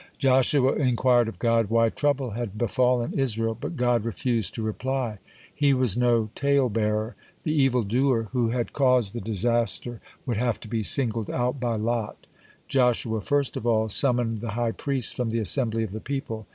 Joshua inquired of God, why trouble had befallen Israel, but God refused to reply. He was no tale bearer; the evil doer who had caused the disaster would have to be singled out by lot. (27) Joshua first of all summoned the high priest from the assembly of the people.